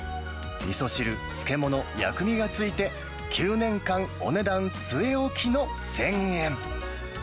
みそ汁、漬物、薬味が付いて、９年間、お値段据え置きの１０００円。